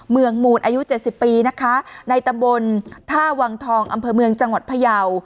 เมืองหมูดอายุเจ็ดสิบปีนะคะในตะบนท่าวังทองอำเภอเมืองจังหวัดพยาว